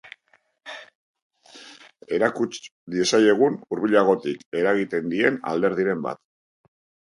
Erakuts diezaiegun hurbilagotik eragiten dien alderdiren bat.